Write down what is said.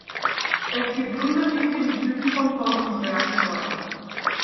Es gibt unterschiedliche Typen von Forschungsreaktoren.